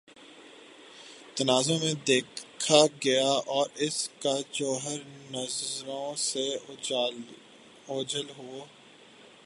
تناظرمیں دیکھا گیا اور اس کا جوہرنظروں سے اوجھل ہو